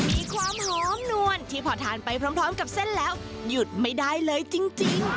มีความหอมนวลที่พอทานไปพร้อมกับเส้นแล้วหยุดไม่ได้เลยจริง